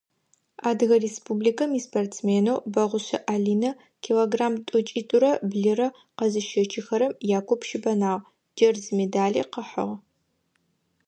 Адыгэ Республикэм испортсменэу Бэгъушъэ Алинэ килограмм тӀокӀитӀурэ блырэ къэзыщэчыхэрэм якуп щыбэнагъ, джэрз медали къыхьыгъ.